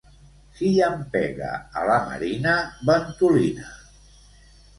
Si llampega a la marina, ventolina.